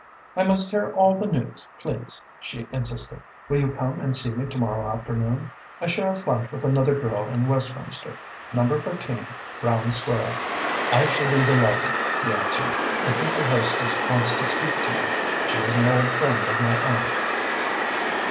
"I must hear all the news, please," she insisted. "Will you come and see me to morrow afternoon? I share a flat with another girl in Westminster Number 13, Brown Square." "I shall be delighted," he answered. "I think your hostess wants to speak to me. She is an old friend of my aunt."